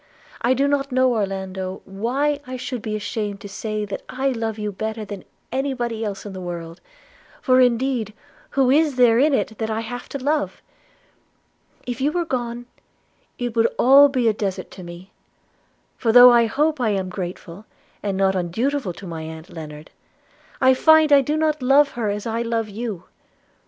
I do not know, Orlando, why I should be ashamed to say that I love you better than any body else in the world; for indeed who is there in it that I have to love? If you were gone, it would be all a desert to me; for, though I hope I am grateful, and not undutiful to my aunt Lennard, I find I do not love her as I love you.